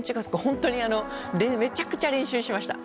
本当にめちゃくちゃ練習しました。